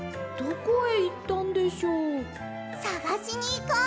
さがしにいこう！